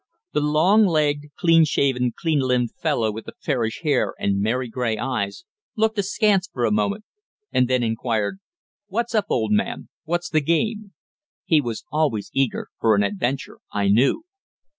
The long legged, clean shaven, clean limbed fellow with the fairish hair and merry grey eyes looked askance for a moment, and then inquired "What's up, old man? What's the game?" He was always eager for an adventure, I knew.